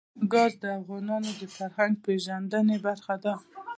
ګاز د افغانانو د فرهنګي پیژندنې برخه ده.